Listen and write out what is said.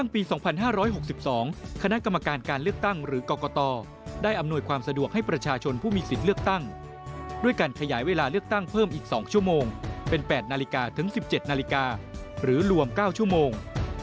เป็น๘นาฬิกาถึง๑๗นาฬิกาหรือรวม๙ชั่วโมง